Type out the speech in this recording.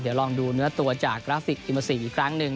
เดี๋ยวลองดูเนื้อตัวจากกราฟิกอิเมอร์ซีฟอีกครั้งหนึ่ง